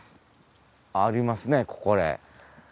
ありますねこれ。